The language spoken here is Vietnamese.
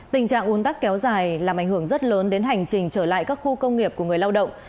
tình trạng un tắc kéo dài làm ảnh hưởng rất lớn đến hành trình trở lại các khu công nghiệp của người lao động